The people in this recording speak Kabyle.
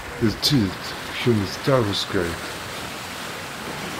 D tidet, kemm d tahuskayt.